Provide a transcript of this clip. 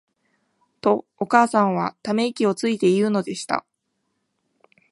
と、お母さんは溜息をついて言うのでした。